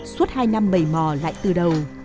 suốt hai năm mầy mò lại từ đầu